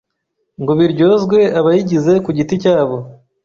ngo biryozwe abayigize ku giti cyabo.